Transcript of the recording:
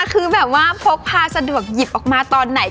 คือแบบว่าพกพาสะดวกหยิบออกมาตอนไหน